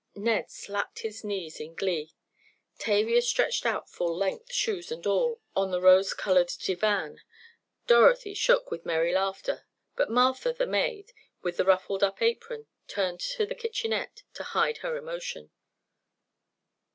Ned slapped his knees in glee. Tavia stretched out full length, shoes and all, on the rose colored divan, Dorothy shook with merry laughter, but Martha, the maid with the ruffled up apron, turned to the kitchenette to hide her emotion.